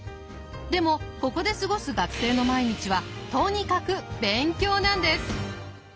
でもここで過ごす学生の毎日はとにかく勉強なんです。